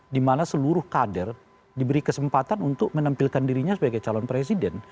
dimana seluruh kader diberi kesempatan untuk menampilkan dirinya sebagai calon presiden